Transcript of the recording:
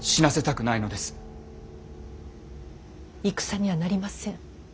戦にはなりません。